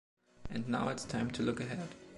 And now it's time to look ahead.